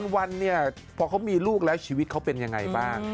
วันเนี่ยพอเขามีลูกแล้วชีวิตเขาเป็นยังไงบ้าง